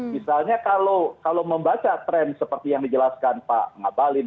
misalnya kalau membaca tren seperti yang dijelaskan pak ngabalin